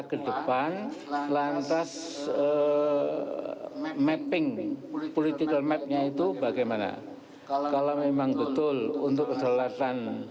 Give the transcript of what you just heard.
kedepan lantas mapping politik lemetnya itu bagaimana kalau memang betul untuk kejualatan